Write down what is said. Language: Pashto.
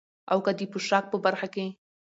او که د پوشاک په برخه کې،